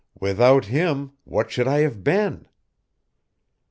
Without him, what should I have been?"